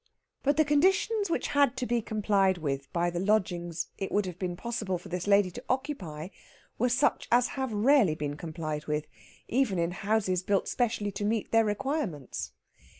But the conditions which had to be complied with by the lodgings it would be possible for this lady to occupy were such as have rarely been complied with, even in houses built specially to meet their requirements.